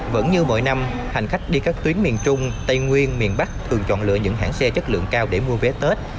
vẫn như mỗi năm hành khách đi các tuyến miền trung tây nguyên miền bắc thường chọn lựa những hãng xe chất lượng cao để mua vé tết